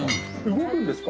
動くんですか？